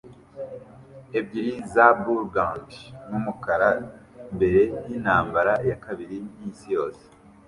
ebyiri za burgundy numukara mbere yintambara ya kabiri yisi yose